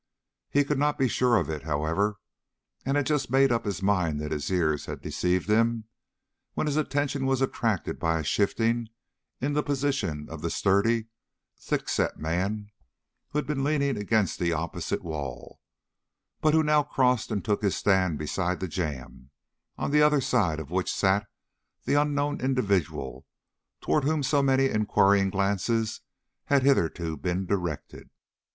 He could not be sure of it, however, and had just made up his mind that his ears had deceived him, when his attention was attracted by a shifting in the position of the sturdy, thick set man who had been leaning against the opposite wall, but who now crossed and took his stand beside the jamb, on the other side of which sat the unknown individual toward whom so many inquiring glances had hitherto been directed.